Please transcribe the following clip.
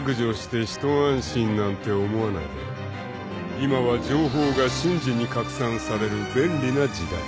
［今は情報が瞬時に拡散される便利な時代］